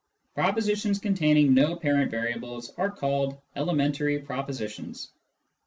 Propositions containing no apparent variables are called " elementary propositions."